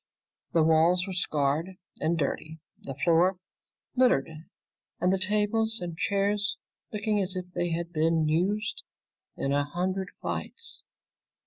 The walls were scarred and dirty, the floor littered, and the tables and chairs looking as if they had been used in a hundred fights.